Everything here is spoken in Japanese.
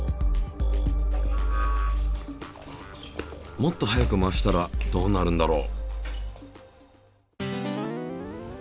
もっと速く回したらどうなるんだろう？